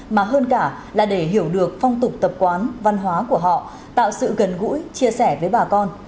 mà hơn cả là để hiểu được phong tục tập quán văn hóa của họ tạo sự gần gũi chia sẻ với bà con